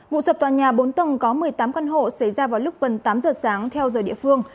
vụ sập tòa nhà bốn tầng có một mươi tám căn hộ xảy ra vào lúc gần tám giờ sáng theo giờ địa phương